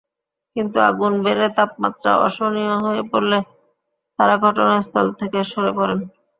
কিন্তু আগুন বেড়ে তাপমাত্রা অসহনীয় হয়ে পড়লে তাঁরা ঘটনাস্থল থেকে সরে পড়েন।